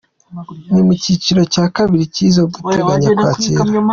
Ni mu cyiciro cya kabiri cy’izo duteganya kwakira.